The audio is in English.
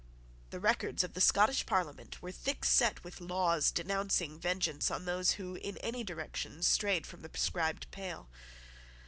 The records of the Scottish Parliament were thick set with laws denouncing vengeance on those who in any direction strayed from the prescribed pale.